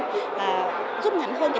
giúp ngắn hơn thời gian